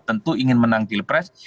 tentu ingin menanggil pres